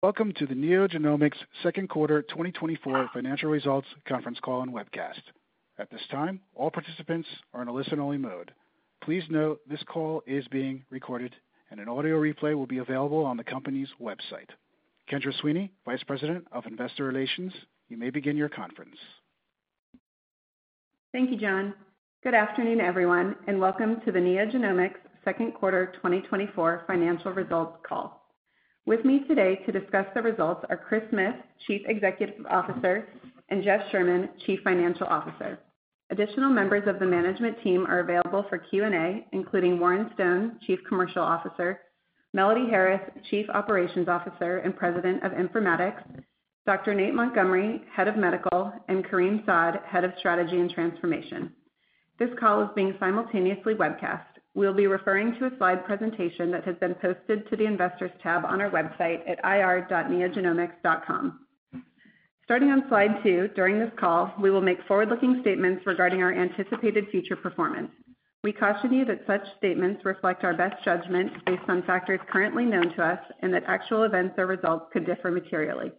Welcome to the NeoGenomics Second Quarter 2024 Financial Results Conference Call and Webcast. At this time, all participants are in a listen-only mode. Please note, this call is being recorded and an audio replay will be available on the company's website. Kendra Sweeney, Vice President of Investor Relations, you may begin your conference. Thank you, John. Good afternoon, everyone, and welcome to the NeoGenomics second quarter 2024 financial results call. With me today to discuss the results are Chris Smith, Chief Executive Officer, and Jeff Sherman, Chief Financial Officer. Additional members of the management team are available for Q&A, including Warren Stone, Chief Commercial Officer, Melody Harris, Chief Operations Officer and President of Informatics, Dr. Nate Montgomery, Head of Medical, and Kareem Saad, Head of Strategy and Transformation. This call is being simultaneously webcast. We'll be referring to a slide presentation that has been posted to the Investors tab on our website at ir.neogenomics.com. Starting on slide two, during this call, we will make forward-looking statements regarding our anticipated future performance. We caution you that such statements reflect our best judgment based on factors currently known to us, and that actual events or results could differ materially.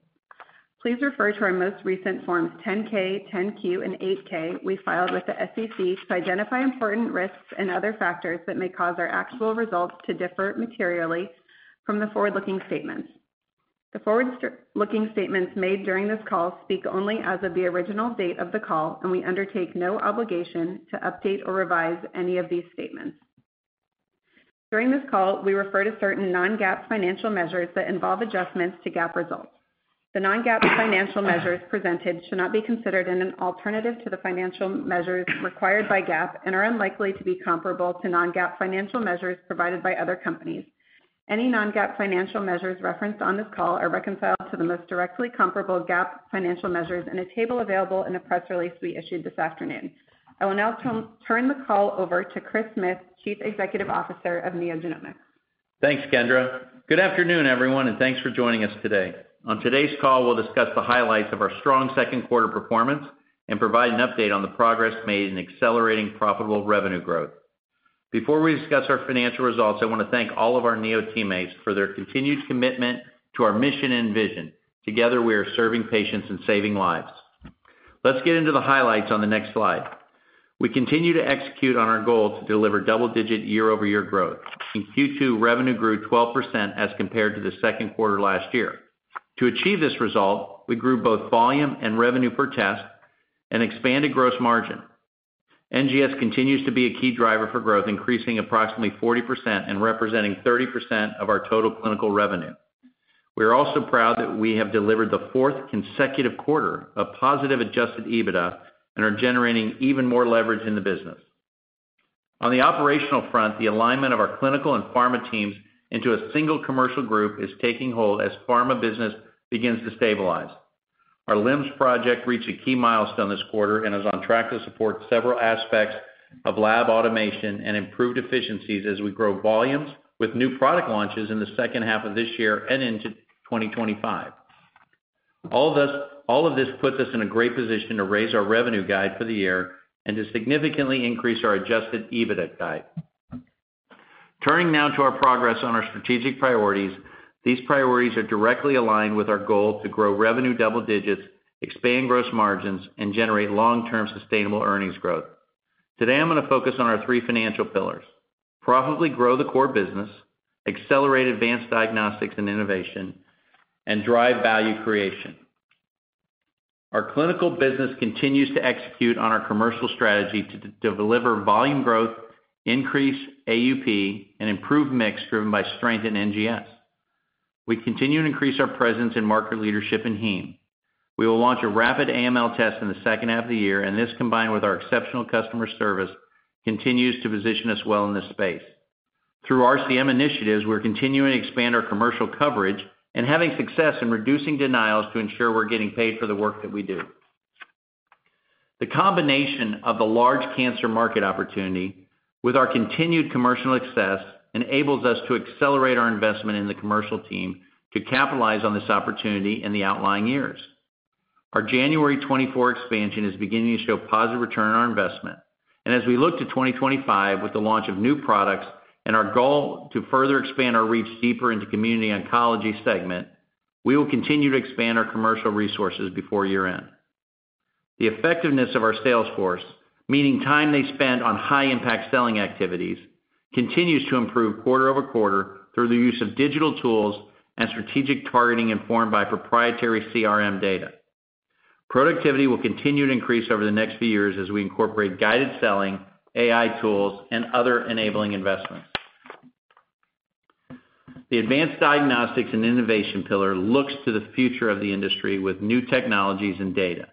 Please refer to our most recent forms 10-K, 10-Q, and 8-K we filed with the SEC to identify important risks and other factors that may cause our actual results to differ materially from the forward-looking statements. The forward-looking statements made during this call speak only as of the original date of the call, and we undertake no obligation to update or revise any of these statements. During this call, we refer to certain non-GAAP financial measures that involve adjustments to GAAP results. The non-GAAP financial measures presented should not be considered as an alternative to the financial measures required by GAAP and are unlikely to be comparable to non-GAAP financial measures provided by other companies. Any non-GAAP financial measures referenced on this call are reconciled to the most directly comparable GAAP financial measures in a table available in a press release we issued this afternoon. I will now turn the call over to Chris Smith, Chief Executive Officer of NeoGenomics. Thanks, Kendra. Good afternoon, everyone, and thanks for joining us today. On today's call, we'll discuss the highlights of our strong second quarter performance and provide an update on the progress made in accelerating profitable revenue growth. Before we discuss our financial results, I want to thank all of our Neo teammates for their continued commitment to our mission and vision. Together, we are serving patients and saving lives. Let's get into the highlights on the next slide. We continue to execute on our goal to deliver double-digit year-over-year growth. In Q2, revenue grew 12% as compared to the second quarter last year. To achieve this result, we grew both volume and revenue per test and expanded gross margin. NGS continues to be a key driver for growth, increasing approximately 40% and representing 30% of our total clinical revenue. We are also proud that we have delivered the fourth consecutive quarter of positive adjusted EBITDA and are generating even more leverage in the business. On the operational front, the alignment of our clinical and pharma teams into a single commercial group is taking hold as pharma business begins to stabilize. Our LIMS project reached a key milestone this quarter and is on track to support several aspects of lab automation and improved efficiencies as we grow volumes with new product launches in the second half of this year and into 2025. All this, all of this puts us in a great position to raise our revenue guide for the year and to significantly increase our adjusted EBITDA guide. Turning now to our progress on our strategic priorities, these priorities are directly aligned with our goal to grow revenue double digits, expand gross margins, and generate long-term sustainable earnings growth. Today, I'm going to focus on our three financial pillars: profitably grow the core business, accelerate advanced diagnostics and innovation, and drive value creation. Our clinical business continues to execute on our commercial strategy to deliver volume growth, increase AUP, and improve mix, driven by strength in NGS. We continue to increase our presence in market leadership in heme. We will launch a rapid AML test in the second half of the year, and this, combined with our exceptional customer service, continues to position us well in this space. Through RCM initiatives, we're continuing to expand our commercial coverage and having success in reducing denials to ensure we're getting paid for the work that we do. The combination of the large cancer market opportunity with our continued commercial success enables us to accelerate our investment in the commercial team to capitalize on this opportunity in the outlying years. Our January 2024 expansion is beginning to show positive return on our investment. As we look to 2025, with the launch of new products and our goal to further expand our reach deeper into community oncology segment, we will continue to expand our commercial resources before year-end. The effectiveness of our sales force, meaning time they spend on high-impact selling activities, continues to improve quarter-over-quarter through the use of digital tools and strategic targeting informed by proprietary CRM data. Productivity will continue to increase over the next few years as we incorporate guided selling, AI tools, and other enabling investments. The advanced diagnostics and innovation pillar looks to the future of the industry with new technologies and data,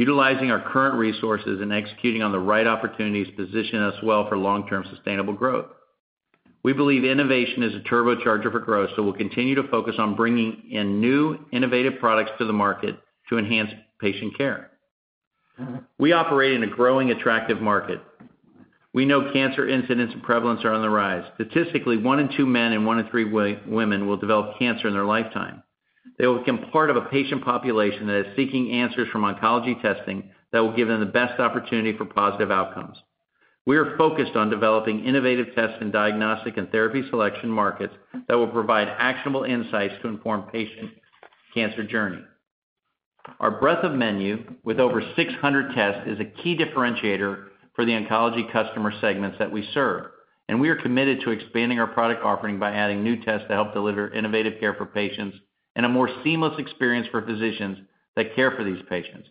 utilizing our current resources and executing on the right opportunities to position us well for long-term sustainable growth. We believe innovation is a turbocharger for growth, so we'll continue to focus on bringing in new innovative products to the market to enhance patient care. We operate in a growing, attractive market. We know cancer incidence and prevalence are on the rise. Statistically, one in two men and one in three women will develop cancer in their lifetime. They will become part of a patient population that is seeking answers from oncology testing that will give them the best opportunity for positive outcomes. We are focused on developing innovative tests and diagnostic and therapy selection markets that will provide actionable insights to inform patient cancer journey. Our breadth of menu, with over 600 tests, is a key differentiator for the oncology customer segments that we serve, and we are committed to expanding our product offering by adding new tests to help deliver innovative care for patients and a more seamless experience for physicians that care for these patients.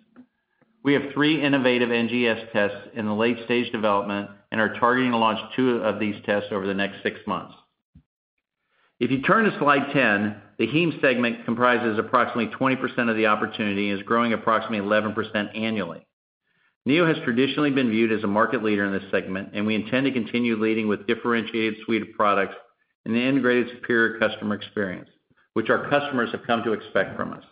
We have three innovative NGS tests in the late-stage development and are targeting to launch two of these tests over the next six months. If you turn to slide 10, the heme segment comprises approximately 20% of the opportunity and is growing approximately 11% annually. Neo has traditionally been viewed as a market leader in this segment, and we intend to continue leading with differentiated suite of products and an integrated, superior customer experience, which our customers have come to expect from us.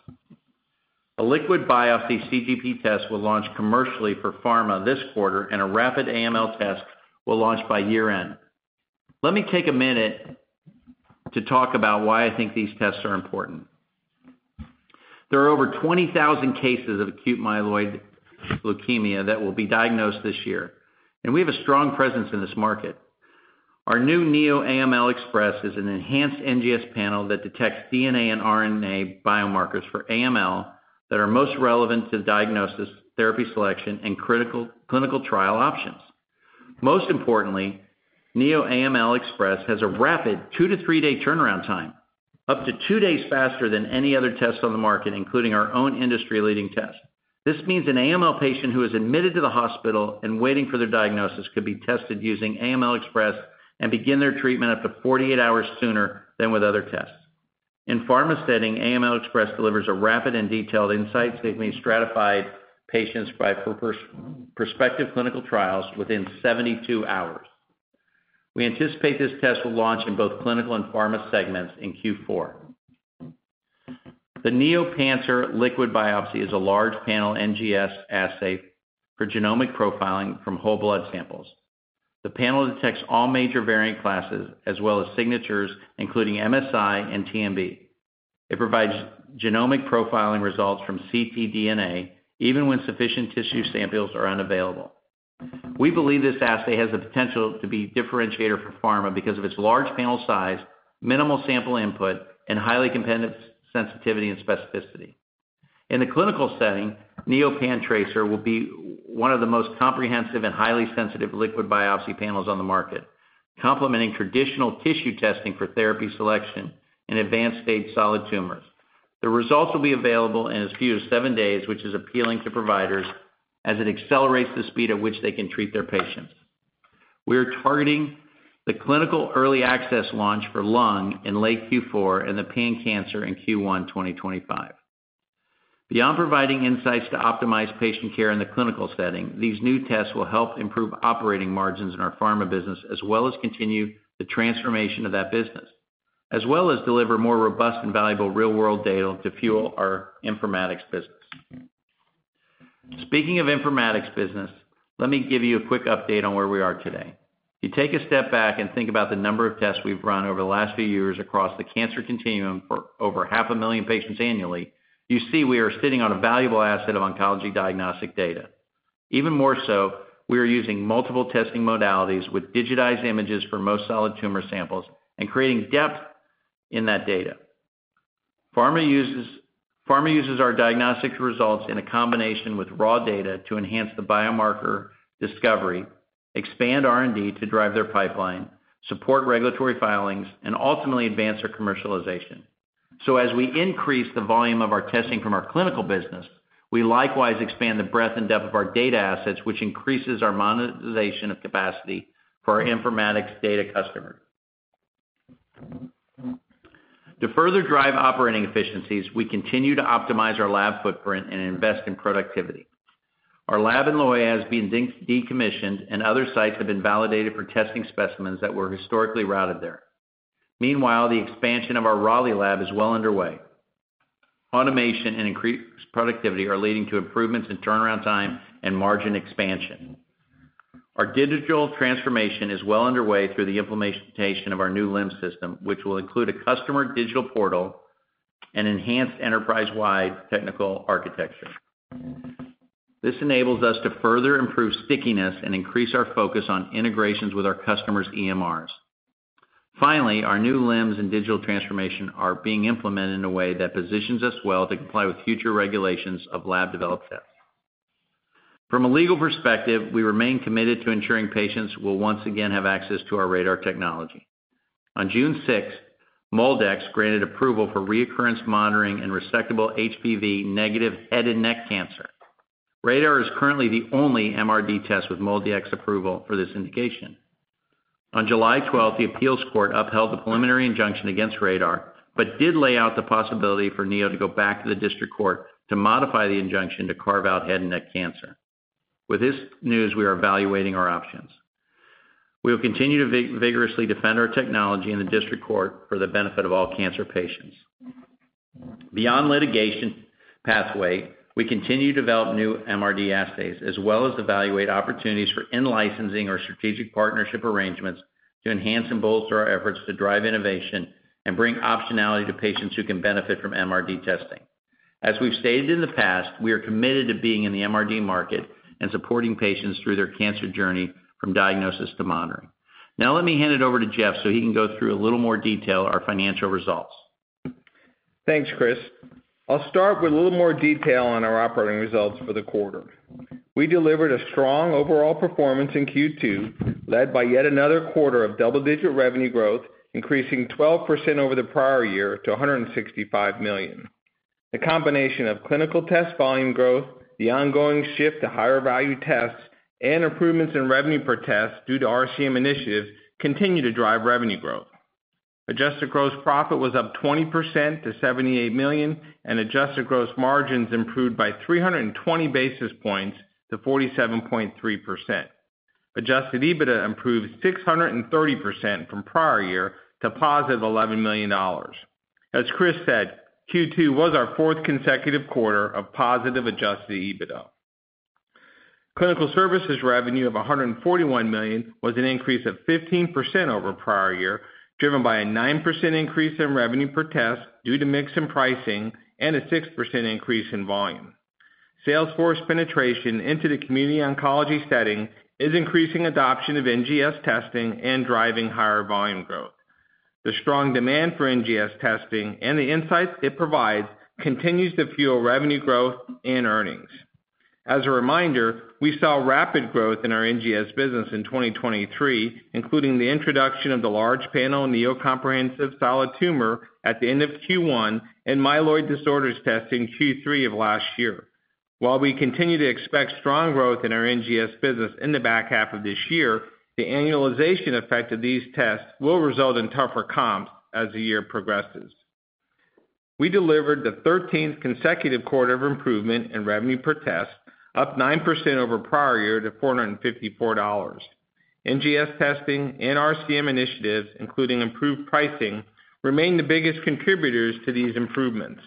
A liquid biopsy CGP test will launch commercially for pharma this quarter, and a rapid AML test will launch by year-end. Let me take a minute to talk about why I think these tests are important. There are over 20,000 cases of acute myeloid leukemia that will be diagnosed this year, and we have a strong presence in this market. Our new Neo AML Express is an enhanced NGS panel that detects DNA and RNA biomarkers for AML that are most relevant to diagnosis, therapy selection, and critical clinical trial options. Most importantly, Neo AML Express has a rapid two-three-day turnaround time, up to two days faster than any other test on the market, including our own industry-leading test. This means an AML patient who is admitted to the hospital and waiting for their diagnosis could be tested using AML Express and begin their treatment up to 48 hours sooner than with other tests. In pharma setting, AML Express delivers a rapid and detailed insight, giving stratified patients by prospective clinical trials within 72 hours. We anticipate this test will launch in both clinical and pharma segments in Q4. The Neo PanTracer Liquid Biopsy is a large panel NGS assay for genomic profiling from whole blood samples. The panel detects all major variant classes, as well as signatures, including MSI and TMB. It provides genomic profiling results from ctDNA, even when sufficient tissue samples are unavailable. We believe this assay has the potential to be differentiator for pharma because of its large panel size, minimal sample input, and highly competitive sensitivity and specificity. In the clinical setting, Neo PanTracer will be one of the most comprehensive and highly sensitive liquid biopsy panels on the market, complementing traditional tissue testing for therapy selection in advanced-stage solid tumors. The results will be available in as few as seven days, which is appealing to providers as it accelerates the speed at which they can treat their patients. We are targeting the clinical early access launch for lung in late Q4 and the pan-cancer in Q1 2025. Beyond providing insights to optimize patient care in the clinical setting, these new tests will help improve operating margins in our pharma business, as well as continue the transformation of that business, as well as deliver more robust and valuable real-world data to fuel our informatics business. Speaking of informatics business, let me give you a quick update on where we are today. If you take a step back and think about the number of tests we've run over the last few years across the cancer continuum for over 500,000 patients annually, you see we are sitting on a valuable asset of oncology diagnostic data. Even more so, we are using multiple testing modalities with digitized images for most solid tumor samples and creating depth in that data. Pharma uses, pharma uses our diagnostic results in a combination with raw data to enhance the biomarker discovery, expand R&D to drive their pipeline, support regulatory filings, and ultimately advance our commercialization. So as we increase the volume of our testing from our clinical business, we likewise expand the breadth and depth of our data assets, which increases our monetization of capacity for our informatics data customer. To further drive operating efficiencies, we continue to optimize our lab footprint and invest in productivity. Our lab in La Jolla has been decommissioned, and other sites have been validated for testing specimens that were historically routed there. Meanwhile, the expansion of our Raleigh lab is well underway. Automation and increased productivity are leading to improvements in turnaround time and margin expansion. Our digital transformation is well underway through the implementation of our new LIMS system, which will include a customer digital portal and enhanced enterprise-wide technical architecture. This enables us to further improve stickiness and increase our focus on integrations with our customers' EMRs. Finally, our new LIMS and digital transformation are being implemented in a way that positions us well to comply with future regulations of lab-developed tests. From a legal perspective, we remain committed to ensuring patients will once again have access to our RaDar technology. On June sixth, MolDX granted approval for recurrence monitoring and resectable HPV-negative head and neck cancer. RaDar is currently the only MRD test with MolDX approval for this indication. On July twelfth, the appeals court upheld the preliminary injunction against RaDar, but did lay out the possibility for Neo to go back to the district court to modify the injunction to carve out head and neck cancer. With this news, we are evaluating our options. We will continue to vigorously defend our technology in the district court for the benefit of all cancer patients. Beyond litigation pathway, we continue to develop new MRD assays, as well as evaluate opportunities for in-licensing our strategic partnership arrangements to enhance and bolster our efforts to drive innovation and bring optionality to patients who can benefit from MRD testing. As we've stated in the past, we are committed to being in the MRD market and supporting patients through their cancer journey from diagnosis to monitoring. Now, let me hand it over to Jeff, so he can go through a little more detail our financial results. Thanks, Chris. I'll start with a little more detail on our operating results for the quarter. We delivered a strong overall performance in Q2, led by yet another quarter of double-digit revenue growth, increasing 12% over the prior year to $165 million. The combination of clinical test volume growth, the ongoing shift to higher value tests, and improvements in revenue per test due to RCM initiatives continue to drive revenue growth. Adjusted gross profit was up 20% to $78 million, and adjusted gross margins improved by 320 basis points to 47.3%. Adjusted EBITDA improved 630% from prior year to positive $11 million. As Chris said, Q2 was our fourth consecutive quarter of positive adjusted EBITDA. Clinical services revenue of $141 million was an increase of 15% over prior year, driven by a 9% increase in revenue per test due to mix in pricing and a 6% increase in volume. Sales force penetration into the community oncology setting is increasing adoption of NGS testing and driving higher volume growth. The strong demand for NGS testing and the insights it provides continues to fuel revenue growth and earnings. As a reminder, we saw rapid growth in our NGS business in 2023, including the introduction of the large panel Neo Comprehensive Solid Tumor at the end of Q1 and myeloid disorders testing Q3 of last year. While we continue to expect strong growth in our NGS business in the back half of this year, the annualization effect of these tests will result in tougher comps as the year progresses. We delivered the 13th consecutive quarter of improvement in revenue per test, up 9% over prior year to $454. NGS testing and RCM initiatives, including improved pricing, remain the biggest contributors to these improvements.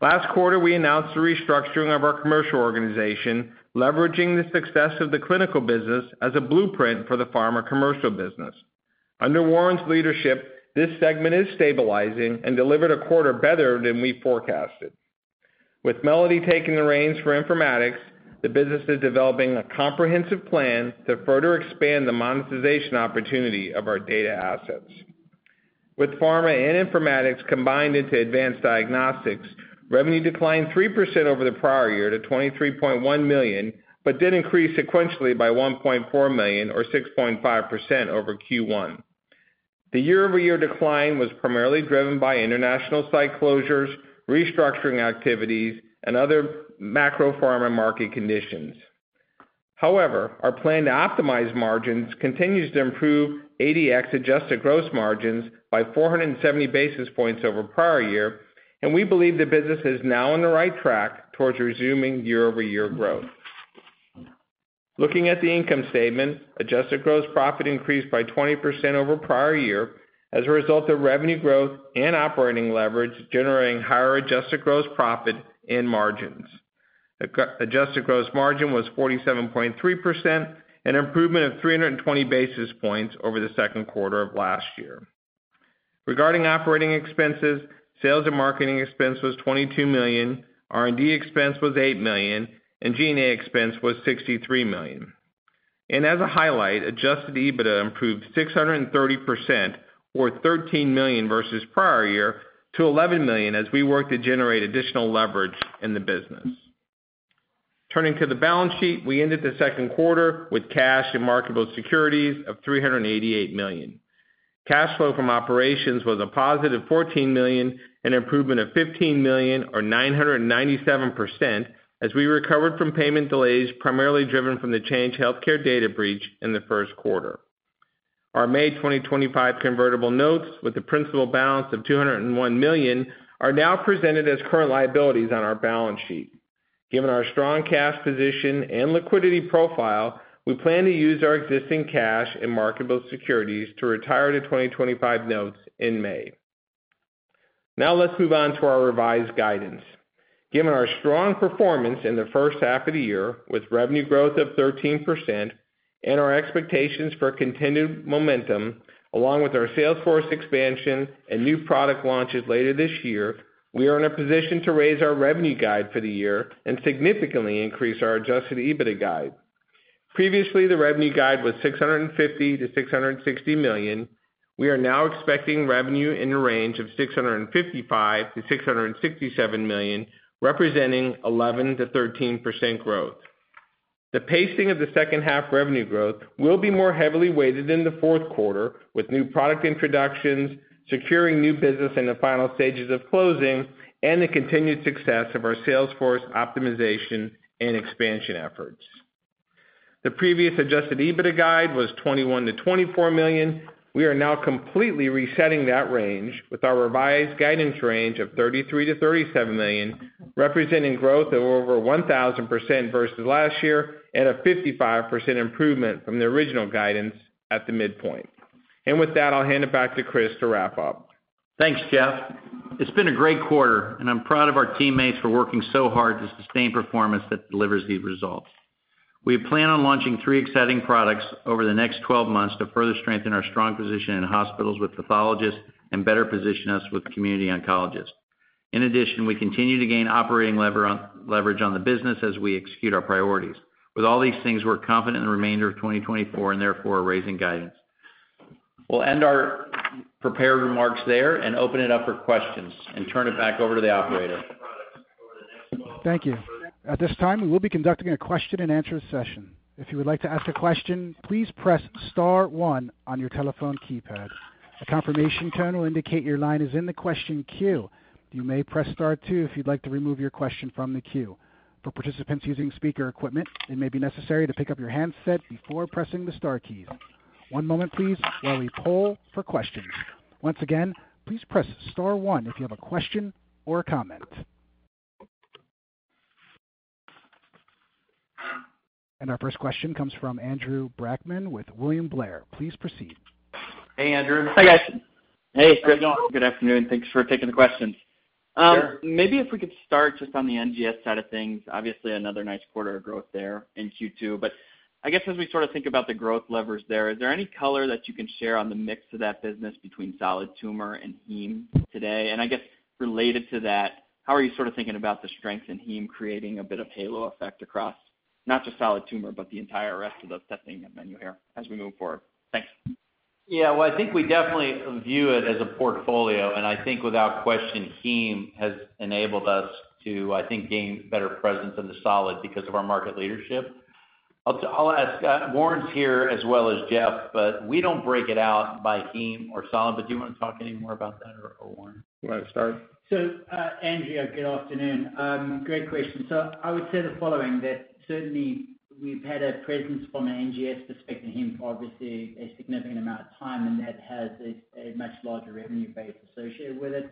Last quarter, we announced the restructuring of our commercial organization, leveraging the success of the clinical business as a blueprint for the pharma commercial business. Under Warren's leadership, this segment is stabilizing and delivered a quarter better than we forecasted. With Melody taking the reins for Informatics, the business is developing a comprehensive plan to further expand the monetization opportunity of our data assets. With Pharma and Informatics combined into advanced diagnostics, revenue declined 3% over the prior year to $23.1 million, but did increase sequentially by $1.4 million, or 6.5% over Q1. The year-over-year decline was primarily driven by international site closures, restructuring activities, and other macro pharma market conditions. However, our plan to optimize margins continues to improve our adjusted gross margins by 470 basis points over prior year, and we believe the business is now on the right track towards resuming year-over-year growth. Looking at the income statement, adjusted gross profit increased by 20% over prior year as a result of revenue growth and operating leverage, generating higher adjusted gross profit and margins. The adjusted gross margin was 47.3%, an improvement of 320 basis points over the second quarter of last year. Regarding operating expenses, sales and marketing expense was $22 million, R&D expense was $8 million, and G&A expense was $63 million. As a highlight, adjusted EBITDA improved 630%, or $13 million versus prior year, to $11 million as we work to generate additional leverage in the business. Turning to the balance sheet, we ended the second quarter with cash and marketable securities of $388 million. Cash flow from operations was a positive $14 million, an improvement of $15 million or 997%, as we recovered from payment delays, primarily driven from the Change Healthcare data breach in the first quarter. Our May 2025 convertible notes, with a principal balance of $201 million, are now presented as current liabilities on our balance sheet. Given our strong cash position and liquidity profile, we plan to use our existing cash and marketable securities to retire the 2025 notes in May. Now, let's move on to our revised guidance. Given our strong performance in the first half of the year, with revenue growth of 13% and our expectations for continued momentum, along with our sales force expansion and new product launches later this year, we are in a position to raise our revenue guide for the year and significantly increase our adjusted EBITDA guide. Previously, the revenue guide was $650 million-$660 million. We are now expecting revenue in the range of $655 million-$667 million, representing 11%-13% growth. The pacing of the second half revenue growth will be more heavily weighted in the fourth quarter, with new product introductions, securing new business in the final stages of closing, and the continued success of our sales force optimization and expansion efforts. The previous adjusted EBITDA guide was $21 million-$24 million. We are now completely resetting that range with our revised guidance range of $33 million-$37 million, representing growth of over 1,000% versus last year and a 55% improvement from the original guidance at the midpoint. With that, I'll hand it back to Chris to wrap up. Thanks, Jeff. It's been a great quarter, and I'm proud of our teammates for working so hard to sustain performance that delivers these results. We plan on launching three exciting products over the next twelve months to further strengthen our strong position in hospitals with pathologists and better position us with community oncologists. In addition, we continue to gain operating leverage on the business as we execute our priorities. With all these things, we're confident in the remainder of 2024, and therefore, are raising guidance. We'll end our prepared remarks there and open it up for questions, and turn it back over to the operator. Thank you. At this time, we will be conducting a question-and-answer session. If you would like to ask a question, please press star one on your telephone keypad. A confirmation tone will indicate your line is in the question queue. You may press star two if you'd like to remove your question from the queue. For participants using speaker equipment, it may be necessary to pick up your handset before pressing the star key. One moment please while we poll for questions. Once again, please press star one if you have a question or a comment. Our first question comes from Andrew Brackman with William Blair. Please proceed. Hey, Andrew. Hey, guys. Hey, how's it going? Good afternoon. Thanks for taking the questions. Sure. Maybe if we could start just on the NGS side of things. Obviously, another nice quarter of growth there in Q2, but I guess as we sort of think about the growth levers there, is there any color that you can share on the mix of that business between solid tumor and heme today? And I guess related to that, how are you sort of thinking about the strength in heme creating a bit of halo effect across not just solid tumor, but the entire rest of the testing menu here as we move forward? Thanks. Yeah, well, I think we definitely view it as a portfolio, and I think without question, heme has enabled us to, I think, gain better presence in the solid because of our market leadership. I'll ask, Warren's here as well as Jeff, but we don't break it out by heme or solid, but do you want to talk any more about that or, Warren? You want to start? So, Andrew, good afternoon. Great question. So I would say the following, that certainly we've had a presence from an NGS perspective in heme for obviously a significant amount of time, and that has a much larger revenue base associated with it.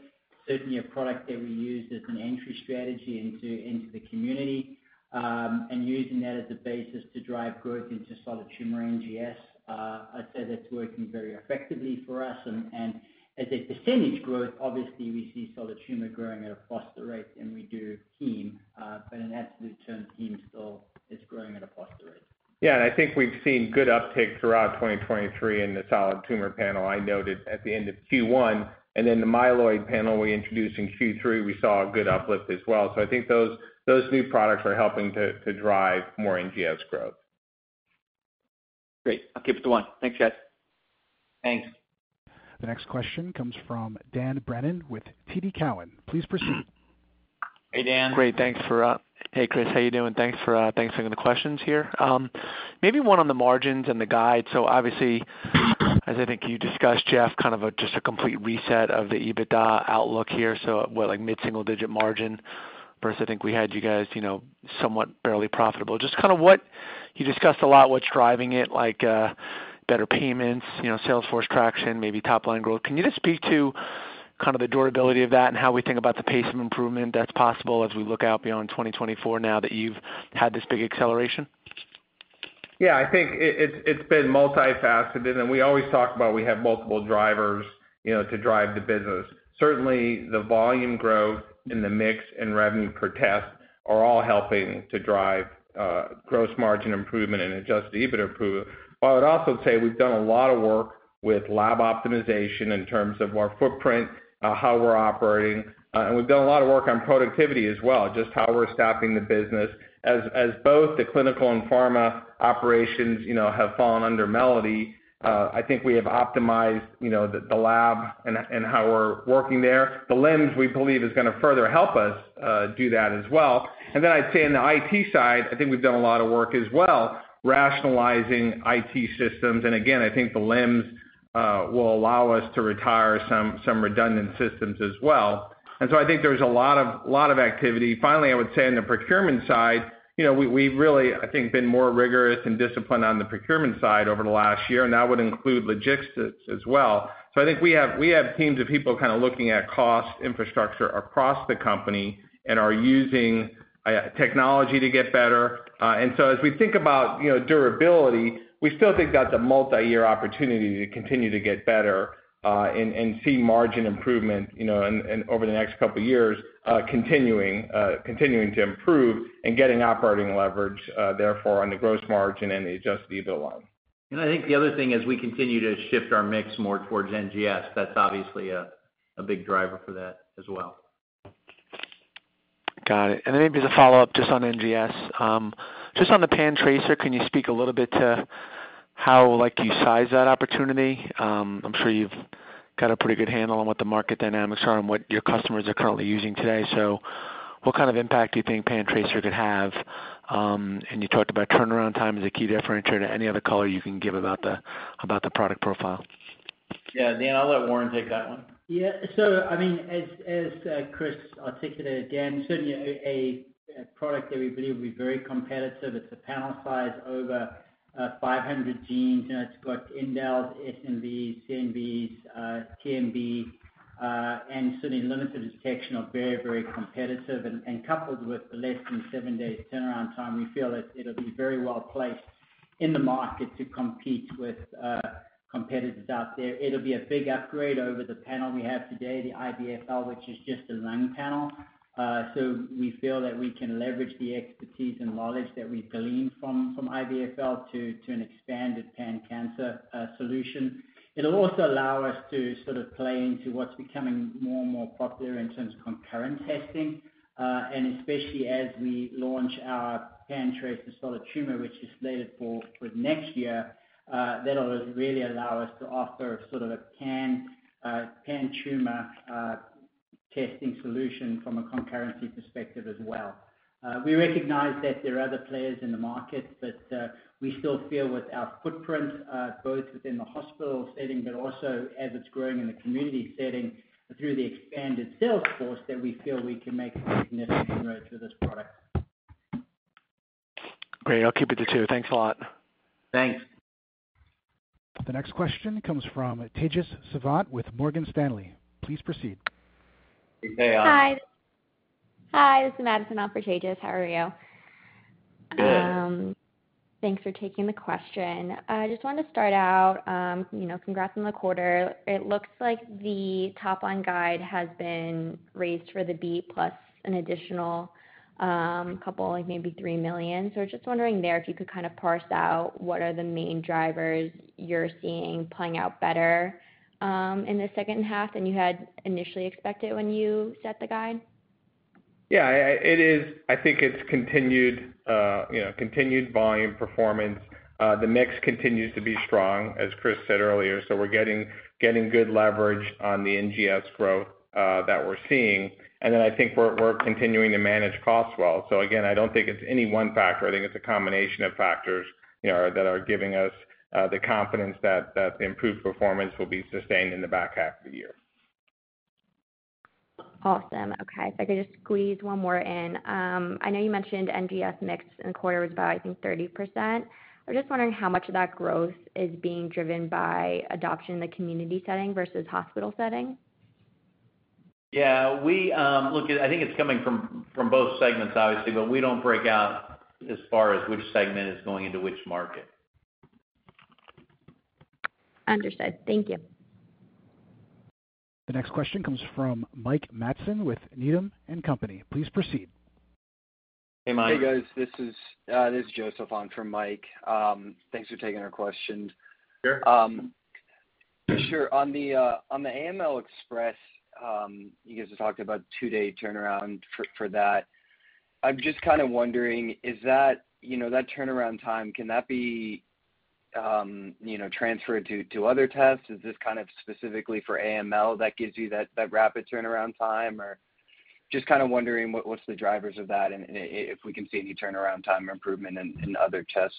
Certainly, a product that we use as an entry strategy into the community, and using that as a basis to drive growth into solid tumor NGS. I'd say that's working very effectively for us. And as a percentage growth, obviously, we see solid tumor growing at a faster rate than we do heme, but in absolute terms, heme still is growing at a faster rate. Yeah, and I think we've seen good uptake throughout 2023 in the solid tumor panel. I noted at the end of Q1, and then the myeloid panel we introduced in Q3, we saw a good uplift as well. So I think those, those new products are helping to, to drive more NGS growth. Great. I'll keep it to one. Thanks, guys. Thanks. The next question comes from Dan Brennan with TD Cowen. Please proceed. Hey, Dan. Great, thanks for, Hey, Chris, how you doing? Thanks for, thanks for taking the questions here. Maybe one on the margins and the guide. So obviously, as I think you discussed, Jeff, kind of a just a complete reset of the EBITDA outlook here. So what, like, mid-single digit margin versus I think we had you guys, you know, somewhat barely profitable. Just kind of what. You discussed a lot, what's driving it, like, better payments, you know, sales force traction, maybe top-line growth. Can you just speak to kind of the durability of that and how we think about the pace of improvement that's possible as we look out beyond 2024, now that you've had this big acceleration? Yeah, I think it's been multifaceted, and we always talk about we have multiple drivers, you know, to drive the business. Certainly, the volume growth and the mix and revenue per test are all helping to drive gross margin improvement and adjusted EBITDA improvement. But I'd also say we've done a lot of work with lab optimization in terms of our footprint, how we're operating, and we've done a lot of work on productivity as well, just how we're staffing the business. As both the clinical and pharma operations, you know, have fallen under Melody, I think we have optimized, you know, the lab and how we're working there. The LIMS, we believe, is going to further help us do that as well. Then I'd say in the IT side, I think we've done a lot of work as well, rationalizing IT systems. Again, I think the LIMS will allow us to retire some redundant systems as well. So I think there's a lot of activity. Finally, I would say on the procurement side, you know, we've really, I think, been more rigorous and disciplined on the procurement side over the last year, and that would include logistics as well. So I think we have teams of people kind of looking at cost infrastructure across the company and are using technology to get better. And so as we think about, you know, durability, we still think that's a multi-year opportunity to continue to get better, and see margin improvement, you know, and over the next couple of years, continuing to improve and getting operating leverage, therefore, on the gross margin and the adjusted EBITDA line. I think the other thing is we continue to shift our mix more towards NGS. That's obviously a big driver for that as well. Got it. And then maybe as a follow-up, just on NGS. Just on the PanTracer, can you speak a little bit to how, like, you size that opportunity? I'm sure you've got a pretty good handle on what the market dynamics are and what your customers are currently using today. So what kind of impact do you think PanTracer could have? And you talked about turnaround time as a key differentiator, any other color you can give about the, about the product profile? Yeah. Dan, I'll let Warren take that one. Yeah. So I mean, as Chris articulated it, Dan, certainly a product that we believe will be very competitive. It's a panel size over 500 genes, you know, it's got indels, SNVs, CNVs, TMB, and certainly limited detection of very, very competitive. And coupled with the less than seven days turnaround time, we feel it, it'll be very well positioned i n the market to compete with competitors out there. It'll be a big upgrade over the panel we have today, the IVFL, which is just a lung panel. So we feel that we can leverage the expertise and knowledge that we've gleaned from IVFL to an expanded pan-cancer solution. It'll also allow us to sort of play into what's becoming more and more popular in terms of concurrent testing, and especially as we launch our PanTracer for solid tumor, which is slated for next year, that'll really allow us to offer sort of a pan-tumor testing solution from a concurrency perspective as well. We recognize that there are other players in the market, but, we still feel with our footprint, both within the hospital setting, but also as it's growing in the community setting through the expanded sales force, that we feel we can make significant inroad through this product. Great. I'll keep it to two. Thanks a lot. Thanks. The next question comes from Tejas Sawant with Morgan Stanley. Please proceed. Hey, Tejas. Hi. Hi, this is Madison on for Tejas. How are you? Good. Thanks for taking the question. I just wanted to start out, you know, congrats on the quarter. It looks like the top-line guide has been raised for the beat, plus an additional couple, like maybe $3 million. So I was just wondering there, if you could kind of parse out what are the main drivers you're seeing playing out better in the second half than you had initially expected when you set the guide? Yeah, it is. I think it's continued, you know, continued volume performance. The mix continues to be strong, as Chris said earlier, so we're getting good leverage on the NGS growth that we're seeing. And then I think we're continuing to manage costs well. So again, I don't think it's any one factor. I think it's a combination of factors, you know, that are giving us the confidence that the improved performance will be sustained in the back half of the year. Awesome. Okay. If I could just squeeze one more in. I know you mentioned NGS mix in quarter was about, I think, 30%. I was just wondering how much of that growth is being driven by adoption in the community setting versus hospital setting? Yeah, we—look, I think it's coming from, from both segments, obviously, but we don't break out as far as which segment is going into which market. Understood. Thank you. The next question comes from Mike Matson with Needham & Company. Please proceed. Hey, Mike. Hey, guys, this is Joseph on for Mike. Thanks for taking our question. Sure. Sure. On the, on the AML Express, you guys have talked about two-day turnaround for, for that. I'm just kind of wondering: is that, you know, that turnaround time, can that be, you know, transferred to, to other tests? Is this kind of specifically for AML that gives you that, that rapid turnaround time, or just kind of wondering what's the drivers of that and if we can see any turnaround time improvement in, in other tests?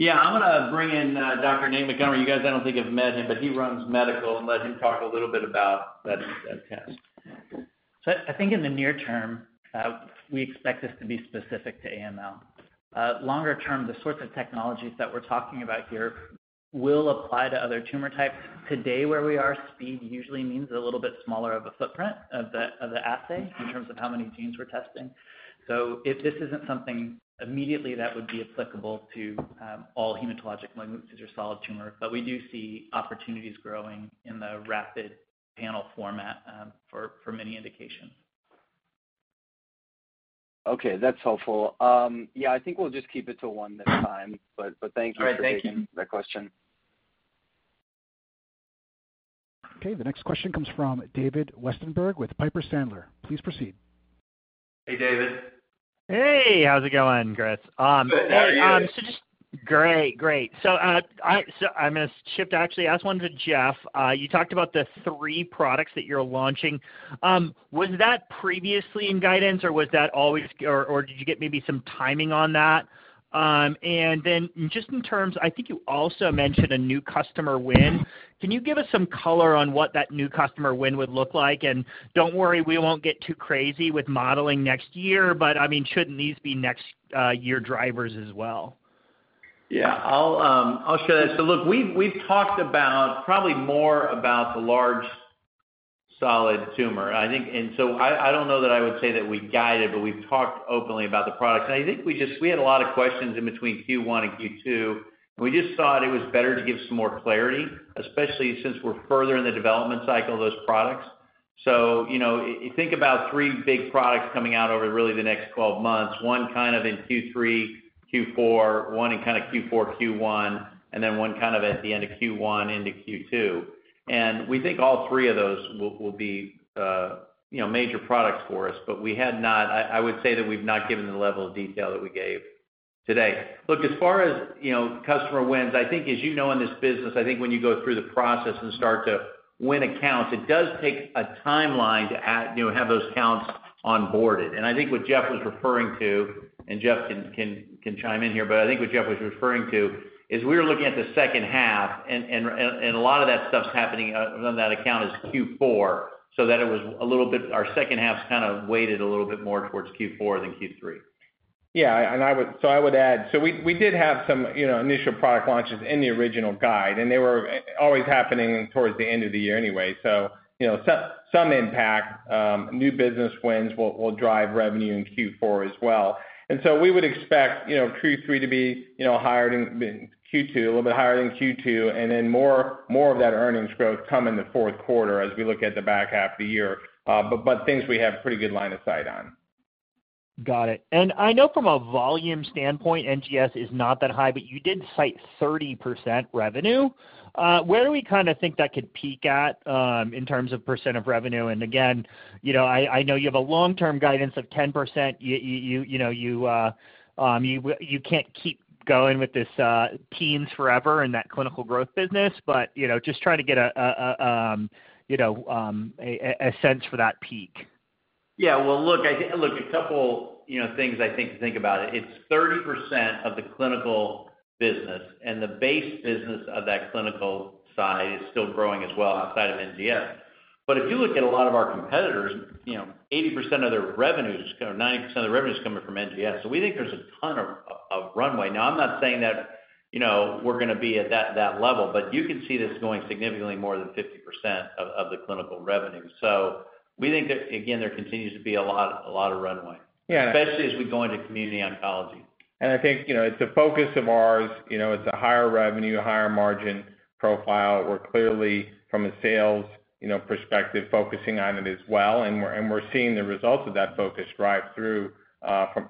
Yeah, I'm gonna bring in, Dr. Nate Montgomery. You guys, I don't think you've met him, but he runs Medical, and let him talk a little bit about that, that test. So I think in the near term, we expect this to be specific to AML. Longer term, the sorts of technologies that we're talking about here will apply to other tumor types. Today, where we are, speed usually means a little bit smaller of a footprint of the assay in terms of how many genes we're testing. So if this isn't something immediately that would be applicable to all hematologic diseases or solid tumor, but we do see opportunities growing in the rapid panel format for many indications. Okay, that's helpful. Yeah, I think we'll just keep it to one this time, but, but thank you- All right. Thank you. for taking that question. Okay. The next question comes from David Westenberg with Piper Sandler. Please proceed. Hey, David. Hey, how's it going, Chris? Good. How are you? Great, great. So, I'm gonna shift, actually, ask one to Jeff. You talked about the three products that you're launching. Was that previously in guidance, or was that always, or did you get maybe some timing on that? And then just in terms, I think you also mentioned a new customer win. Can you give us some color on what that new customer win would look like? And don't worry, we won't get too crazy with modeling next year, but I mean, shouldn't these be next year drivers as well? Yeah, I'll share that. So look, we've talked about—probably more about the large solid tumor, I think. And so I don't know that I would say that we guided, but we've talked openly about the products. And I think we just—we had a lot of questions in between Q1 and Q2. We just thought it was better to give some more clarity, especially since we're further in the development cycle of those products. So you know, think about 3 big products coming out over really the next 12 months, one kind of in Q3, Q4, one in kind of Q4, Q1, and then one kind of at the end of Q1 into Q2. And we think all three of those will be, you know, major products for us. But we had not. I would say that we've not given the level of detail that we gave today. Look, as far as, you know, customer wins, I think, as you know, in this business, I think when you go through the process and start to win accounts, it does take a timeline to you know, have those accounts onboarded. And I think what Jeff was referring to, and Jeff can chime in here, but I think what Jeff was referring to is we were looking at the second half and a lot of that stuff's happening on that account is Q4, so that it was a little bit, our second half's kind of weighted a little bit more towards Q4 than Q3. Yeah, and I would—so I would add, so we did have some, you know, initial product launches in the original guide, and they were always happening towards the end of the year anyway. So, you know, some impact, new business wins will drive revenue in Q4 as well. And so we would expect, you know, Q3 to be, you know, higher than Q2, a little bit higher than Q2, and then more of that earnings growth come in the fourth quarter as we look at the back half of the year. But things we have pretty good line of sight on. Got it. I know from a volume standpoint, NGS is not that high, but you did cite 30% revenue. Where do we kind of think that could peak at, in terms of percent of revenue? And again, you know, I know you have a long-term guidance of 10%. You know, you can't keep going with this teens forever in that clinical growth business. But, you know, just trying to get a sense for that peak. Yeah, well, look, I think. Look, a couple, you know, things I think to think about it. It's 30% of the clinical business, and the base business of that clinical side is still growing as well outside of NGS. But if you look at a lot of our competitors, you know, 80% of their revenues, or 90% of the revenue is coming from NGS. So we think there's a ton of, of runway. Now, I'm not saying that, you know, we're going to be at that, that level, but you can see this going significantly more than 50% of, of the clinical revenue. So we think that, again, there continues to be a lot, a lot of runway Yeah. Especially as we go into community oncology. I think, you know, it's a focus of ours. You know, it's a higher revenue, higher margin profile. We're clearly, from a sales, you know, perspective, focusing on it as well, and we're seeing the results of that focus drive through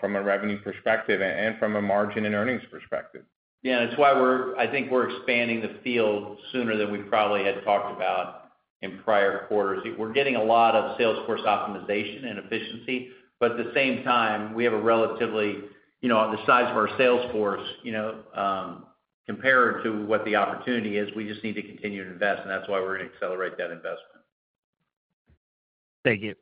from a revenue perspective and from a margin and earnings perspective. Yeah, that's why we're. I think we're expanding the field sooner than we probably had talked about in prior quarters. We're getting a lot of sales force optimization and efficiency, but at the same time, we have a relatively, you know, the size of our sales force, you know, compared to what the opportunity is, we just need to continue to invest, and that's why we're going to accelerate that investment. Thank you.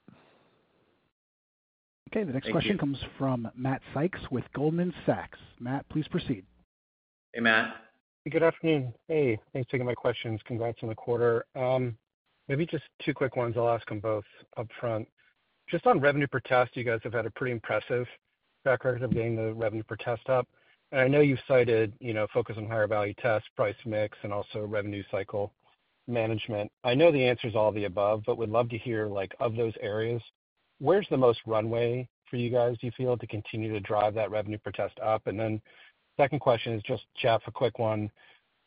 Okay, the next question comes from Matt Sykes with Goldman Sachs. Matt, please proceed. Hey, Matt. Good afternoon. Hey, thanks for taking my questions. Congrats on the quarter. Maybe just two quick ones. I'll ask them both upfront. Just on revenue per test, you guys have had a pretty impressive record of getting the revenue per test up. And I know you've cited, you know, focus on higher value tests, price mix, and also revenue cycle management. I know the answer is all of the above, but would love to hear, like, of those areas, where's the most runway for you guys, do you feel, to continue to drive that revenue per test up? And then second question is just, Jeff, a quick one.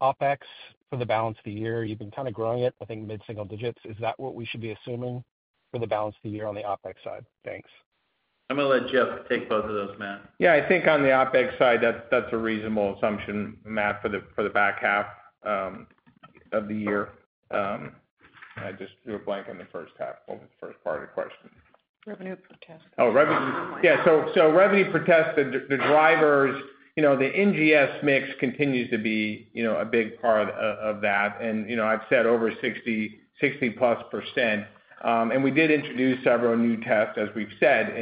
OpEx for the balance of the year, you've been kind of growing it, I think, mid-single digits. Is that what we should be assuming for the balance of the year on the OpEx side? Thanks. I'm going to let Jeff take both of those, Matt. Yeah, I think on the OpEx side, that's a reasonable assumption, Matt, for the back half of the year. I just drew a blank on the first part of the question. Revenue per test. Oh, revenue. Yeah, so revenue per test, the drivers, you know, the NGS mix continues to be, you know, a big part of that. And, you know, I've said over 60, 60-plus%. And we did introduce several new tests, as we've said,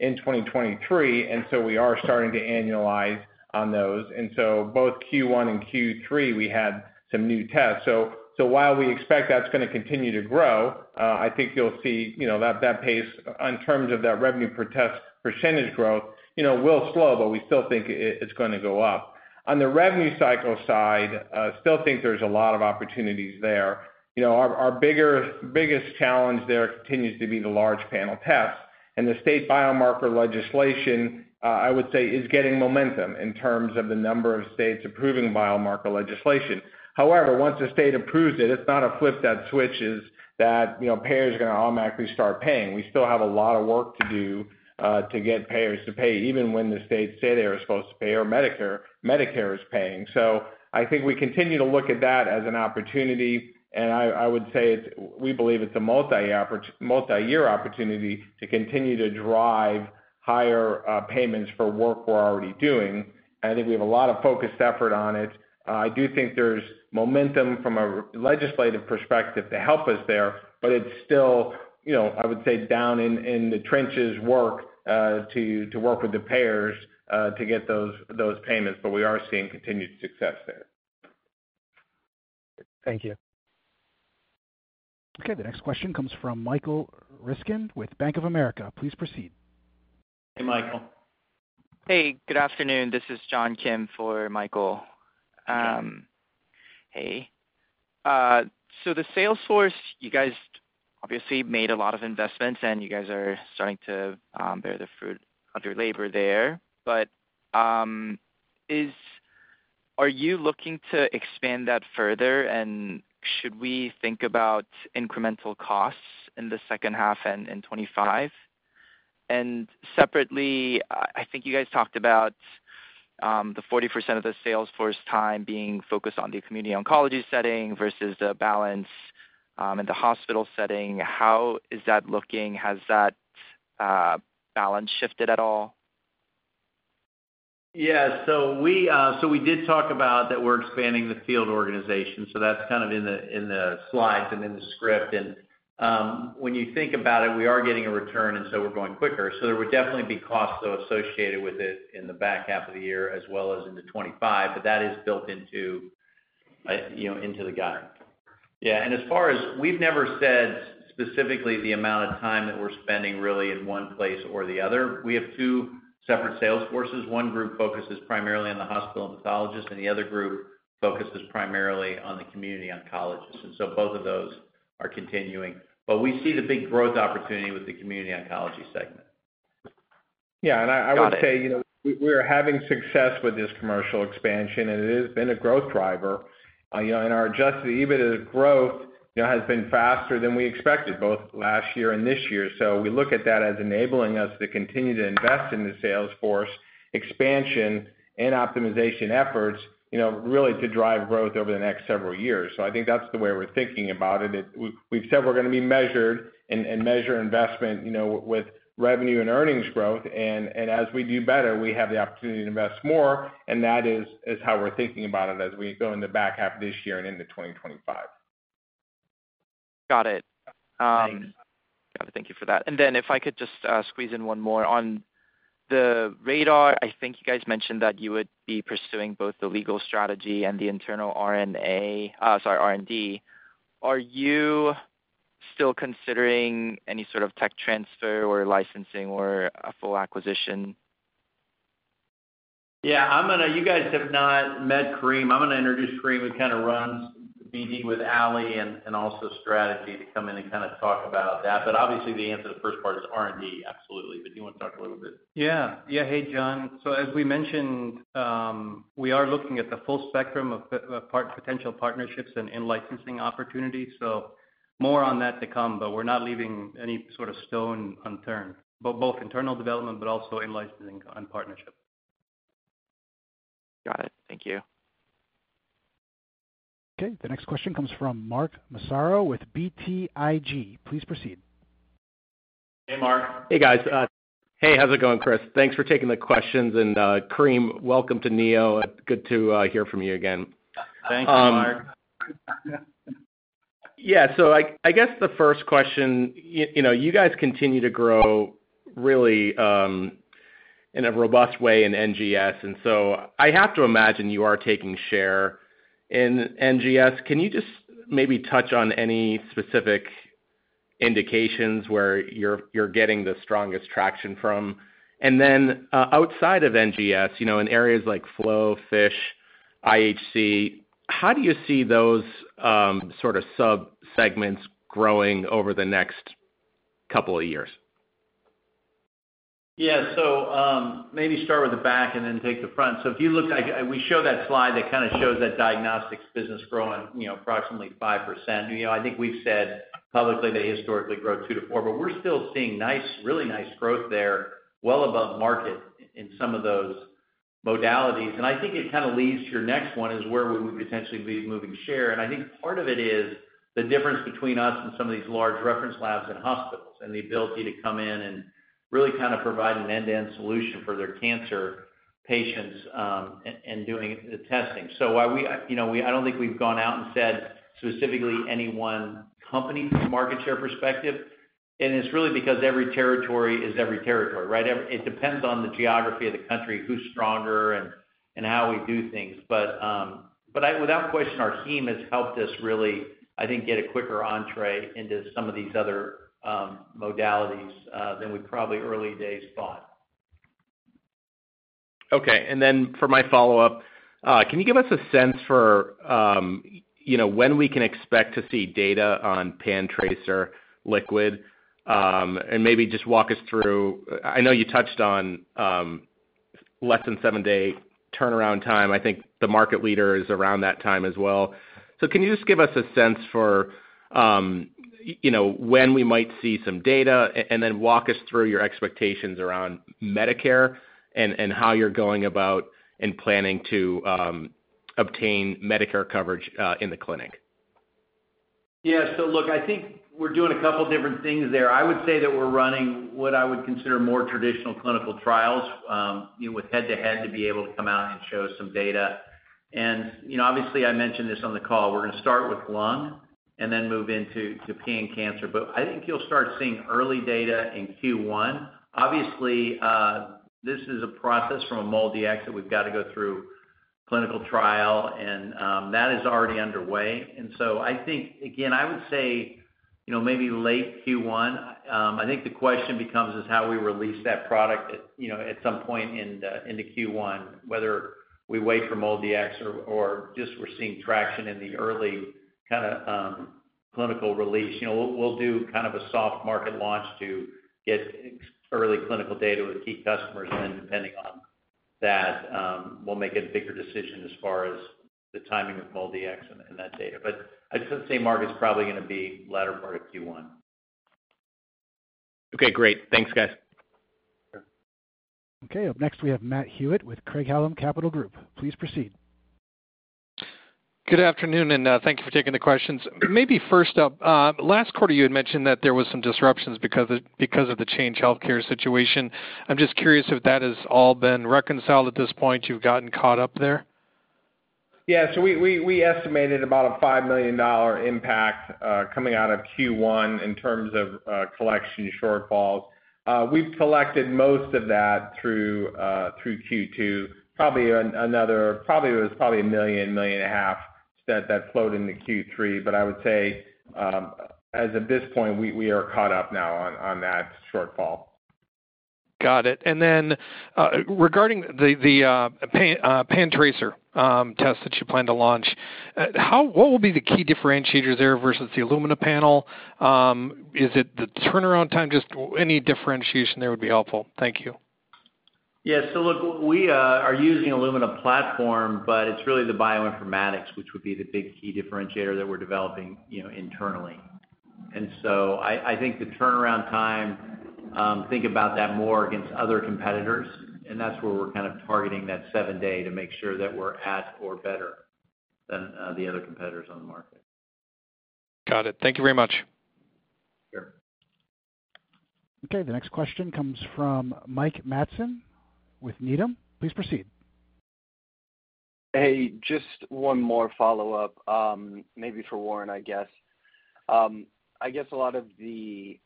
in 2023, and so we are starting to annualize on those. And so both Q1 and Q3, we had some new tests. So while we expect that's going to continue to grow, I think you'll see, you know, that pace in terms of that revenue per test percentage growth, you know, will slow, but we still think it's going to go up. On the revenue cycle side, still think there's a lot of opportunities there. You know, our biggest challenge there continues to be the large panel tests. The state biomarker legislation, I would say, is getting momentum in terms of the number of states approving biomarker legislation. However, once the state approves it, it's not a flip that switch is that, you know, payers are going to automatically start paying. We still have a lot of work to do, to get payers to pay, even when the states say they are supposed to pay or Medicare. Medicare is paying. So I think we continue to look at that as an opportunity, and I, I would say it's—we believe it's a multi-oppor-multi-year opportunity to continue to drive higher, payments for work we're already doing. And I think we have a lot of focused effort on it. I do think there's momentum from a legislative perspective to help us there, but it's still, you know, I would say, down in the trenches work to work with the payers to get those payments, but we are seeing continued success there. Thank you. Okay, the next question comes from Michael Ryskin with Bank of America. Please proceed. Hey, Michael. Hey, good afternoon. This is John Kim for Michael. John. Hey. So the sales force, you guys obviously made a lot of investments, and you guys are starting to bear the fruit of your labor there. But are you looking to expand that further, and should we think about incremental costs in the second half and in 25? And separately, I think you guys talked about the 40% of the sales force time being focused on the community oncology setting versus the balance in the hospital setting. How is that looking? Has that balance shifted at all? Yeah, so we so we did talk about that we're expanding the field organization, so that's kind of in the slides and in the script. And when you think about it, we are getting a return, and so we're going quicker. So there would definitely be costs associated with it in the back half of the year as well as into 25, but that is built into you know into the guide. Yeah, and as far as we've never said specifically the amount of time that we're spending really in one place or the other. We have two separate sales forces. One group focuses primarily on the hospital and pathologist, and the other group focuses primarily on the community oncologist, and so both of those are continuing. But we see the big growth opportunity with the community oncology segment. Yeah, and I would say- Got it. You know, we're having success with this commercial expansion, and it has been a growth driver. You know, and our adjusted EBITDA growth, you know, has been faster than we expected, both last year and this year. So we look at that as enabling us to continue to invest in the sales force expansion and optimization efforts, you know, really to drive growth over the next several years. So I think that's the way we're thinking about it. We've said we're gonna be measured and measure investment, you know, with revenue and earnings growth, and as we do better, we have the opportunity to invest more, and that is how we're thinking about it as we go in the back half of this year and into 2025. Got it. Thanks.Got it. Thank you for that. And then if I could just squeeze in one more. On the RaDar, I think you guys mentioned that you would be pursuing both the legal strategy and the internal RNA, sorry, R&D. Are you still considering any sort of tech transfer or licensing or a full acquisition? Yeah, I'm gonna. You guys have not met Kareem. I'm gonna introduce Kareem, who kind of runs BD with Ali and also strategy to come in and kind of talk about that. But obviously, the answer to the first part is R&D, absolutely. But do you want to talk a little bit? Yeah. Yeah. Hey, John. So as we mentioned, we are looking at the full spectrum of partner, potential partnerships and in-licensing opportunities, so more on that to come, but we're not leaving any sort of stone unturned, both internal development, but also in-licensing and partnership. Got it. Thank you. Okay, the next question comes from Mark Massaro with BTIG. Please proceed. Hey, Mark. Hey, guys. Hey, how's it going, Chris? Thanks for taking the questions, and Kareem, welcome to Neo. Good to hear from you again. Thank you, Mark. Yeah, so I guess the first question, you know, you guys continue to grow really in a robust way in NGS, and so I have to imagine you are taking share in NGS. Can you just maybe touch on any specific indications where you're getting the strongest traction from? And then, outside of NGS, you know, in areas like flow, FISH, IHC, how do you see those sort of subsegments growing over the next couple of years? Yeah. So, maybe start with the back and then take the front. So if you look, we show that slide that kind of shows that diagnostics business growing, you know, approximately 5%. You know, I think we've said publicly, they historically grow 2%-4%, but we're still seeing nice—really nice growth there, well above market in some of those modalities. And I think it kind of leads to your next one, is where we would potentially be moving share. And I think part of it is the difference between us and some of these large reference labs and hospitals, and the ability to come in and really kind of provide an end-to-end solution for their cancer patients, and doing the testing. So while we, you know, I don't think we've gone out and said, specifically any one company from a market share perspective, and it's really because every territory is every territory, right? It depends on the geography of the country, who's stronger and how we do things. But, but without question, our team has helped us really, I think, get a quicker entree into some of these other, modalities, than we probably early days thought. Okay. And then for my follow-up, can you give us a sense for, you know, when we can expect to see data on Pan Tracer liquid? And maybe just walk us through. I know you touched on, less than seven-day turnaround time. I think the market leader is around that time as well. So can you just give us a sense for, you know, when we might see some data, and then walk us through your expectations around Medicare and, and how you're going about and planning to, obtain Medicare coverage, in the clinic? Yeah. So look, I think we're doing a couple different things there. I would say that we're running what I would consider more traditional clinical trials, you know, with head-to-head, to be able to come out and show some data. And, you know, obviously, I mentioned this on the call. We're gonna start with lung and then move into pan cancer, but I think you'll start seeing early data in Q1. Obviously, this is a process from a MolDX that we've got to go through clinical trial, and that is already underway. And so I think, again, I would say, you know, maybe late Q1. I think the question becomes is how we release that product, you know, at some point into Q1, whether we wait for MolDX or just we're seeing traction in the early kind of clinical release. You know, we'll do kind of a soft market launch to get early clinical data with key customers, and then depending on that, we'll make a bigger decision as far as the timing of MolDX and that data. But I'd just say, Mark, it's probably gonna be latter part of Q1. Okay, great. Thanks, guys. Okay, up next, we have Matt Hewitt with Craig-Hallum Capital Group. Please proceed. Good afternoon, and, thank you for taking the questions. Maybe first up, last quarter, you had mentioned that there was some disruptions because of, because of the Change Healthcare situation. I'm just curious if that has all been reconciled at this point. You've gotten caught up there? Yeah, so we estimated about a $5 million impact-coming out of Q1 in terms of collection shortfalls, we've collected most of that through Q2, probably $1 million-$1.5 million that flowed into Q3. But I would say, as of this point, we are caught up now on that shortfall. Got it. And then, regarding the Pan Tracer test that you plan to launch, what will be the key differentiator there versus the Illumina panel? Is it the turnaround time? Just any differentiation there would be helpful. Thank you. Yeah. So look, we are using Illumina platform, but it's really the bioinformatics, which would be the big key differentiator that we're developing, you know, internally. And so I think the turnaround time, think about that more against other competitors, and that's where we're kind of targeting that seven day to make sure that we're at or better than the other competitors on the market. Got it. Thank you very much. Sure. Okay, the next question comes from Mike Matson with Needham. Please proceed. Hey, just one more follow-up, maybe for Warren, I guess. I guess a lot of the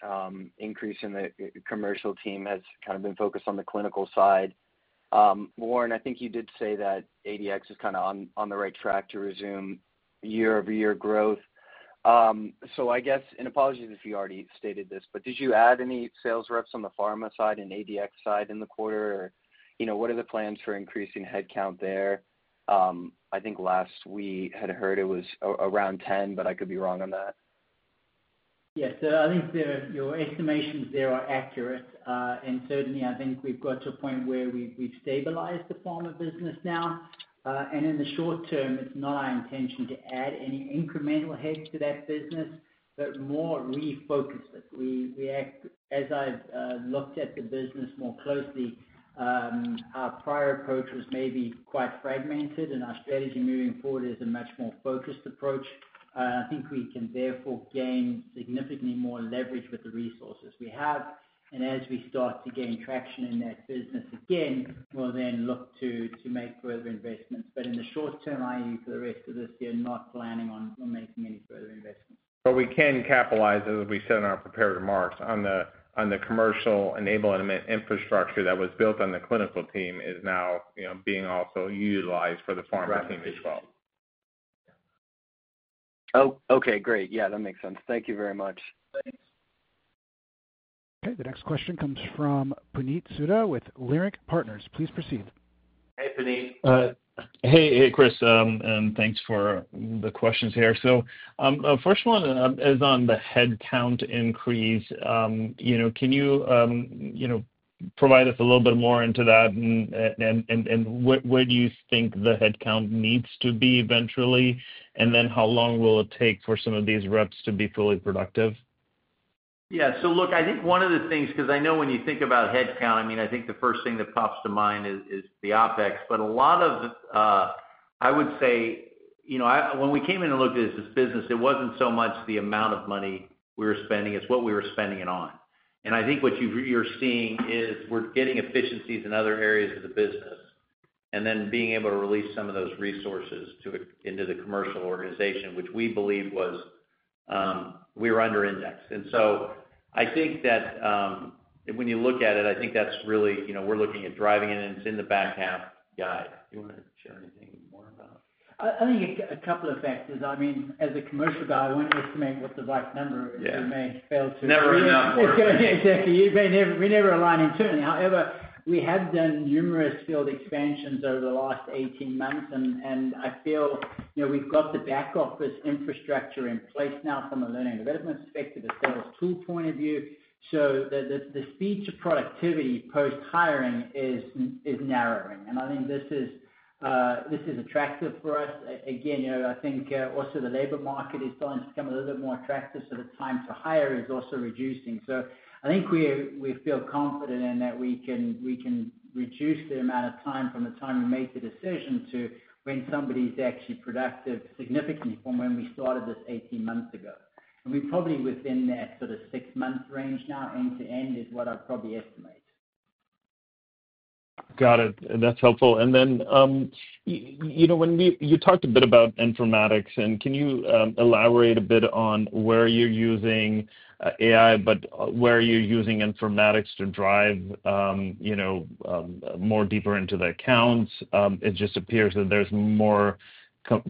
increase in the commercial team has kind of been focused on the clinical side. Warren, I think you did say that ADX is kind of on the right track to resume year-over-year growth. So I guess, and apologies if you already stated this, but did you add any sales reps on the pharma side and ADX side in the quarter? Or, you know, what are the plans for increasing headcount there? I think last we had heard it was around 10, but I could be wrong on that. Yes. So I think the, your estimations there are accurate. And certainly, I think we've got to a point where we've stabilized the pharma business now. And in the short term, it's not our intention to add any incremental head to that business, but more refocus it. As I've looked at the business more closely, our prior approach was maybe quite fragmented, and our strategy moving forward is a much more focused approach. I think we can therefore gain significantly more leverage with the resources we have, and as we start to gain traction in that business again, we'll then look to make further investments. But in the short term, i.e., for the rest of this year, not planning on making any further investments. But we can capitalize, as we said in our prepared remarks, on the commercial enablement infrastructure that was built on the clinical team is now, you know, being also utilized for the pharma team as well. Oh, okay. Great. Yeah, that makes sense. Thank you very much. Thanks. Okay, the next question comes from Puneet Souda with Leerink Partners. Please proceed. Hey, Puneet. Hey, hey, Chris, and thanks for the questions here. So, first one is on the headcount increase. You know, can you provide us a little bit more into that? And where do you think the headcount needs to be eventually, and then how long will it take for some of these reps to be fully productive? Yeah. So look, I think one of the things. Because I know when you think about headcount, I mean, I think the first thing that pops to mind is the OpEx. But a lot of, I would say, you know, when we came in and looked at this business, it wasn't so much the amount of money we were spending, it's what we were spending it on. And I think what you're seeing is we're getting efficiencies in other areas of the business, and then being able to release some of those resources into the commercial organization, which we believe was, we were under indexed. And so I think that, when you look at it, I think that's really, you know, we're looking at driving it, and it's in the back half guide. Do you want to share anything more about it? I think a couple of factors. I mean, as a commercial guy, I won't estimate what the right number is. Yeah. We may fail to- Never enough. Exactly. We never align internally. However, we have done numerous field expansions over the last 18 months, and I feel, you know, we've got the back office infrastructure in place now from a learning and development perspective, a sales tool point of view. So the speed to productivity post-hiring is narrowing, and I think this is attractive for us. Again, you know, I think also the labor market is starting to become a little bit more attractive, so the time to hire is also reducing. So I think we feel confident in that we can reduce the amount of time, from the time we make the decision to when somebody's actually productive, significantly from when we started this 18 months ago. We're probably within that sort of 6-month range now, end to end, is what I'd probably estimate. Got it. That's helpful. And then, you know, when you talked a bit about informatics, and can you elaborate a bit on where you're using AI, but where you're using informatics to drive, you know, more deeper into the accounts? It just appears that there's more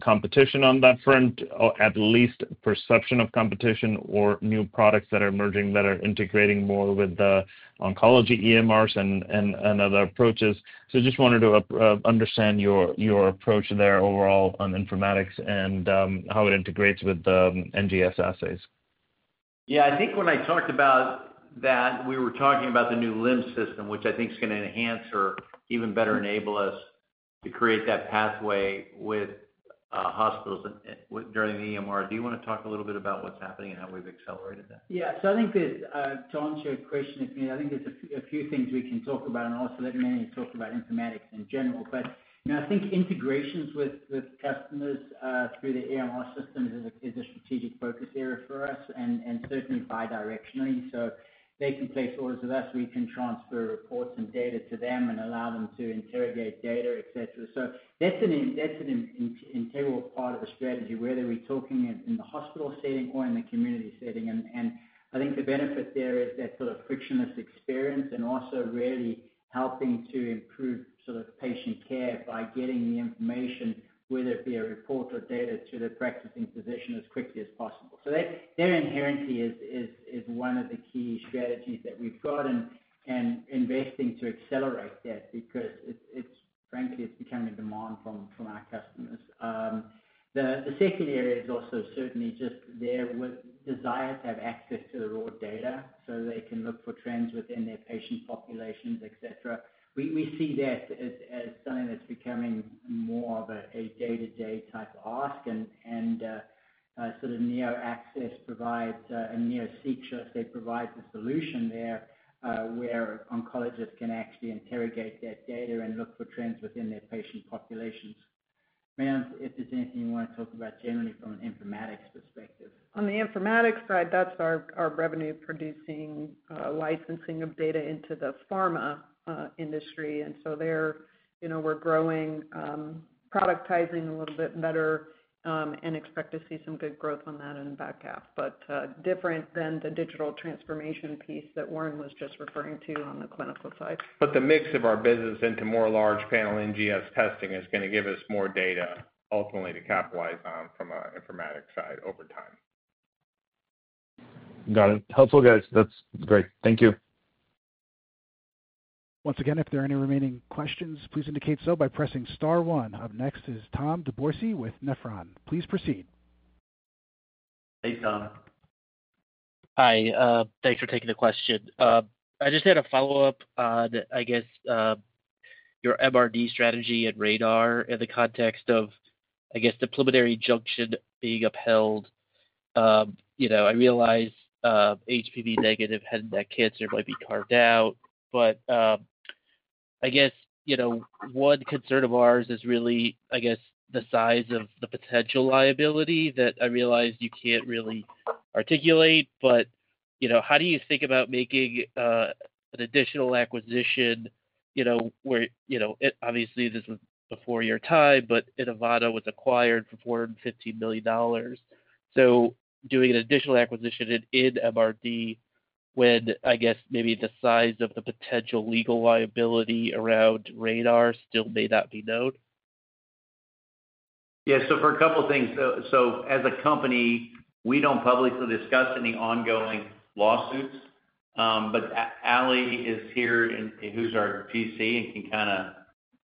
competition on that front, or at least perception of competition or new products that are emerging, that are integrating more with the oncology EMRs and other approaches. So just wanted to understand your approach there overall on informatics and how it integrates with the NGS assays. Yeah. I think when I talked about that, we were talking about the new LIMS system, which I think is going to enhance or even better enable us to create that pathway with hospitals during the EMR. Do you want to talk a little bit about what's happening and how we've accelerated that? Yeah. So I think there's to answer your question, I think there's a few things we can talk about and also let Melody talk about informatics in general. But, you know, I think integrations with customers through the EMR systems is a strategic focus area for us and certainly bidirectionally. So they can place orders with us, we can transfer reports and data to them and allow them to interrogate data, et cetera. So that's an integral part of the strategy, whether we're talking in the hospital setting or in the community setting. And I think the benefit there is that sort of frictionless experience, and also really helping to improve sort of patient care by getting the information, whether it be a report or data, to the practicing physician as quickly as possible. So that there inherently is one of the key strategies that we've got and investing to accelerate that because it's frankly it's becoming a demand from our customers. The second area is also certainly just their desire to have access to the raw data so they can look for trends within their patient populations, et cetera. We see that as something that's becoming more of a day-to-day type ask and sort of NeoAccess provides, and NeoSEQ, I should say, provides a solution there where oncologists can actually interrogate that data and look for trends within their patient populations. Melody, if there's anything you wanna talk about generally from an informatics perspective. On the informatics side, that's our revenue-producing licensing of data into the pharma industry. And so there, you know, we're growing, productizing a little bit better, and expect to see some good growth on that in the back half. But, different than the digital transformation piece that Warren was just referring to on the clinical side. But the mix of our business into more large panel NGS testing is gonna give us more data, ultimately, to capitalize on from an informatics side over time. Got it. Helpful, guys. That's great. Thank you. Once again, if there are any remaining questions, please indicate so by pressing star one. Up next is Tom DeBourcy with Nephron. Please proceed. Hey, Tom. Hi, thanks for taking the question. I just had a follow-up, I guess, your MRD strategy and RaDar in the context of, I guess, the preliminary injunction being upheld. You know, I realize, HPV negative head and neck cancer might be carved out, but, I guess, you know, one concern of ours is really, I guess, the size of the potential liability, that I realize you can't really articulate. But, you know, how do you think about making, an additional acquisition, you know, where, you know, obviously, this was before your time, but Inivata was acquired for $450 million. So doing an additional acquisition in, in MRD when, I guess, maybe the size of the potential legal liability around RaDar still may not be known? Yeah, so for a couple of things. So, as a company, we don't publicly discuss any ongoing lawsuits. But Ali is here, and who's our GC, and can kind of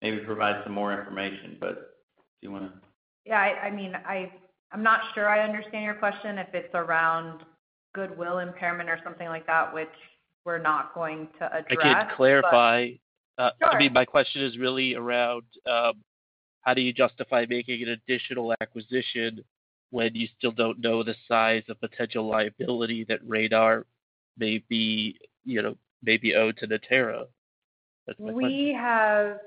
maybe provide some more information. But do you wanna? Yeah, I mean, I'm not sure I understand your question. If it's around goodwill impairment or something like that, which we're not going to address, but- I can clarify. Sure. I mean, my question is really around, how do you justify making an additional acquisition when you still don't know the size of potential liability that RaDar may be, you know, may be owed to Natera? We have.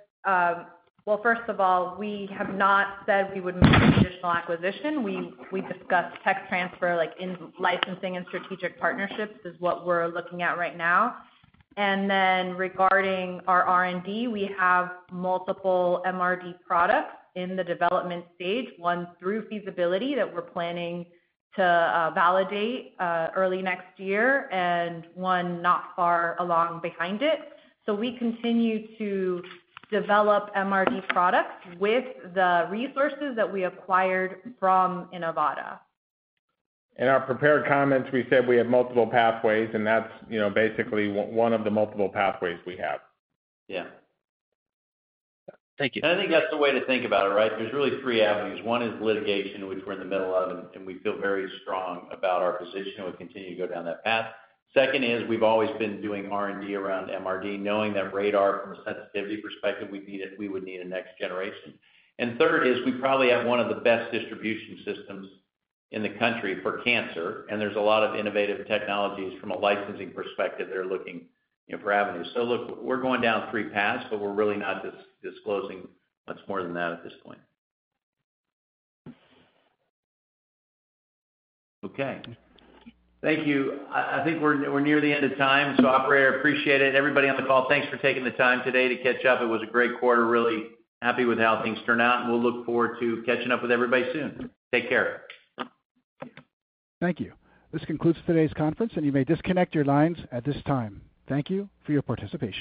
Well, first of all, we have not said we would make an additional acquisition. We discussed tech transfer, like in licensing and strategic partnerships, is what we're looking at right now. And then regarding our R&D, we have multiple MRD products in the development stage, one through feasibility that we're planning to validate early next year, and one not far along behind it. So we continue to develop MRD products with the resources that we acquired from Inivata. In our prepared comments, we said we have multiple pathways, and that's, you know, basically one of the multiple pathways we have. Yeah. Thank you. And I think that's the way to think about it, right? There's really three avenues. One is litigation, which we're in the middle of, and we feel very strong about our position, and we continue to go down that path. Second is, we've always been doing R&D around MRD, knowing that RaDar, from a sensitivity perspective, we need it, we would need a next generation. And third is, we probably have one of the best distribution systems in the country for cancer, and there's a lot of innovative technologies from a licensing perspective that are looking, you know, for avenues. So look, we're going down three paths, but we're really not disclosing much more than that at this point. Okay. Thank you. I think we're near the end of time, so operator, appreciate it. Everybody on the call, thanks for taking the time today to catch up. It was a great quarter. Really happy with how things turned out, and we'll look forward to catching up with everybody soon. Take care. Thank you. This concludes today's conference, and you may disconnect your lines at this time. Thank you for your participation.